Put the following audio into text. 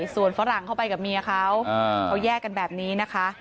ส่วนฝรั่งเข้าไปกับเมียเขาเขาแยกกันแบบนี้นะคะ